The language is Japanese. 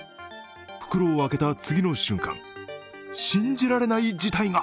袋を開けた次の瞬間、信じられない事態が！